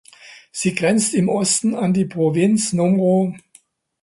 Sie grenzt im Osten an die Provinz Nr.